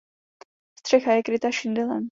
Střecha je kryta šindelem.